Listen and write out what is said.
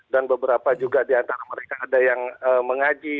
dan beberapa juga di antara mereka ada yang mengaji